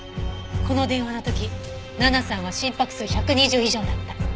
この電話の時奈々さんは心拍数１２０以上だった。